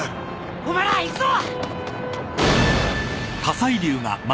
お前ら行くぞ。